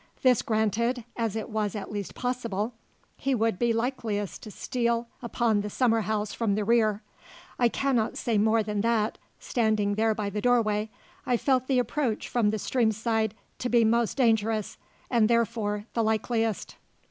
This granted, as it was at least possible, he would be likeliest to steal upon the summer house from the rear. I cannot say more than that, standing there by the doorway, I felt the approach from the streamside to be most dangerous, and therefore the likeliest.